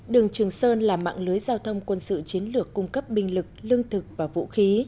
đường trường sơn là mạng lưới giao thông quân sự chiến lược cung cấp binh lực lương thực và vũ khí